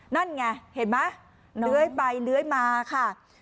นั่นไงเห็นไหมเลื้อยไปเลื้อยมาค่ะ